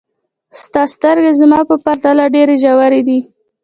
ستا سترګې زموږ په پرتله ډېرې ژورې دي.